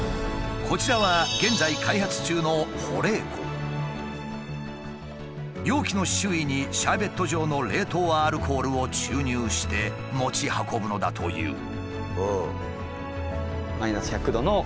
こちらは現在容器の周囲にシャーベット状の冷凍アルコールを注入して持ち運ぶのだという。